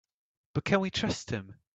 But can we trust him?